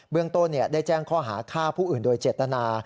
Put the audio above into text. เรื่องต้นได้แจ้งข้อหาฆ่าผู้อื่นโดยเจตนา